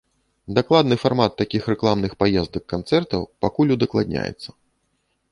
Дакладны фармат такіх рэкламных паездак-канцэртаў пакуль удакладняецца.